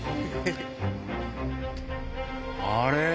あれ？